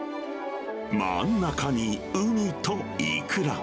真ん中にウニとイクラ。